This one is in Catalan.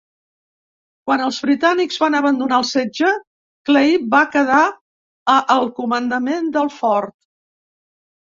Quan els britànics van abandonar el setge, Clay va quedar a el comandament del fort.